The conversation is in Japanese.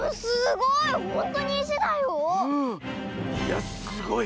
いやすごい。